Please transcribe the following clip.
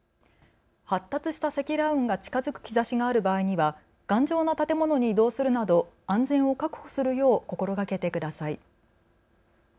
発達した積乱雲が近づく兆しがある場合には頑丈な建物に移動するなど安全を確保するよう心がけてください。